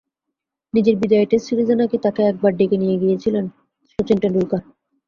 নিজের বিদায়ী টেস্ট সিরিজে নাকি তাঁকে একবার ডেকে নিয়ে গিয়েছিলেন শচীন টেন্ডুলকার।